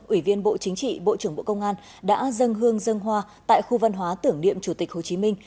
ủy viên bộ chính trị bộ trưởng bộ công an đã dâng hương dân hoa tại khu văn hóa tưởng niệm chủ tịch hồ chí minh